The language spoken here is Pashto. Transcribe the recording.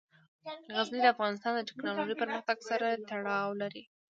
غزني د افغانستان د تکنالوژۍ پرمختګ سره تړاو لري.